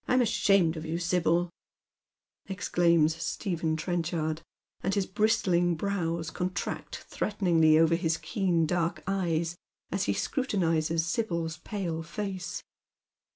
1 m ashamed of you, Sibj'l," exclaims Stephen Trenchard, and his bristling brows contract threateningly over his keen dark eyes as he scrutinizes Sibyl's pale face.